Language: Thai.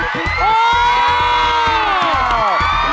เลือกกันแล้ว